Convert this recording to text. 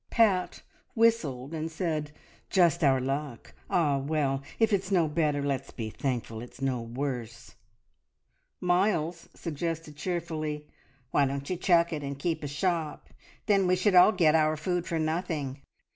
Pat whistled, and said, "Just our luck! Ah, well, if it's no better, let's be thankful it's no worse!" Miles suggested cheerfully, "Why don't you chuck it and keep a shop? Then we should get all our food for nothing."